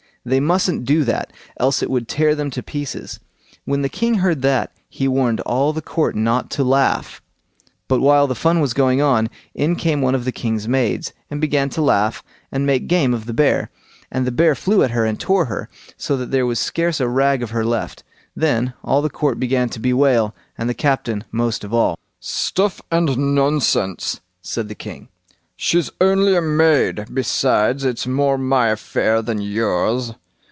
They mustn't do that, else it would tear them to pieces. When the king heard that, he warned all the court not to laugh. But while the fun was going on, in came one of the king's maids, and began to laugh and make game of the bear, and the bear flew at her and tore her, so that there was scarce a rag of her left. Then all the court began to bewail, and the captain most of all. "Stuff and nonsense", said the king; "she's only a maid, besides it's more my affair than yours."